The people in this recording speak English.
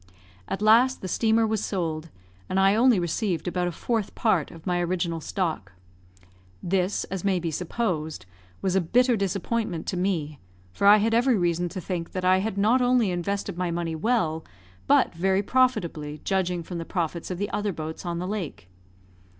At last the steamer was sold, and I only received about a fourth part of my original stock. This, as may be supposed, was a bitter disappointment to me; for I had every reason to think that I had not only invested my money well, but very profitably, judging from the profits of the other boats on the lake.